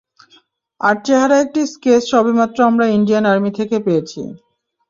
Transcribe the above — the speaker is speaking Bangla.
তার চেহারা একটি স্কেচ সবেমাত্র আমরা ইন্ডিয়ান আর্মি থেকে পেয়েছি।